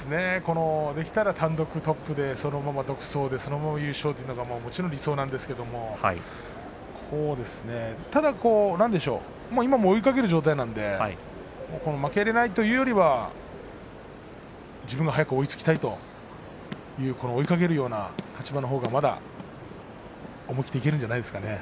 できたら単独トップでそのまま優勝というのが理想ですけれども今も追いかける状態なので負けられないというよりは自分が早く追いつきたいそういう立場のほうがまだ思い切っていけるんじゃないですかね。